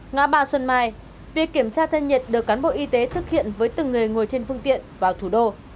ngã ba xuân mai việc kiểm tra thân nhiệt được cán bộ y tế thực hiện với từng người ngồi trên phương tiện vào thủ đô